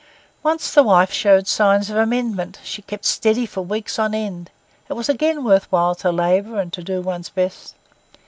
Once the wife showed signs of amendment; she kept steady for weeks on end; it was again worth while to labour and to do one's best.